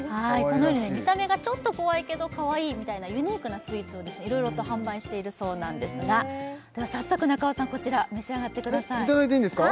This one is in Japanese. このように見た目がちょっと怖いけどかわいいみたいなユニークなスイーツをいろいろと販売しているそうなんですがでは早速中尾さんこちら召し上がってくださいいただいていいんですか？